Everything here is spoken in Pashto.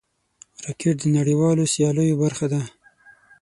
راکټ د نړیوالو سیالیو برخه ده